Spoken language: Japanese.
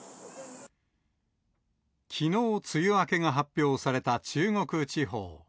きのう、梅雨明けが発表された中国地方。